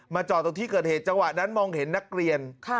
จอดตรงที่เกิดเหตุจังหวะนั้นมองเห็นนักเรียน